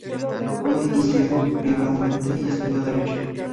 Fue instruido privadamente y estudió derecho.